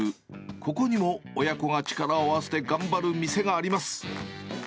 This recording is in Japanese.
ここにも親子が力を合わせて頑張る店があります。